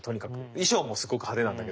衣装もすごく派手なんだけど。